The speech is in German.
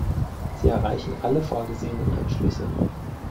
Sie erreichen alle vorgesehenen Anschlüsse.